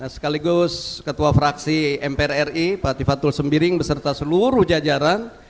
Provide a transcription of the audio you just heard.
sekaligus ketua fraksi mpr ri pak tifatul sembiring beserta seluruh jajaran